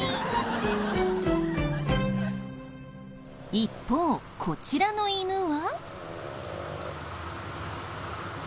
一方こちらの犬は。